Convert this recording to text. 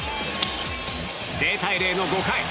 ０対０の５回。